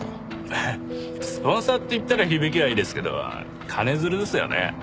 ハハッスポンサーって言ったら響きはいいですけど金づるですよね。